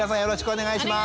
お願いします！